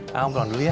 kamu pulang dulu ya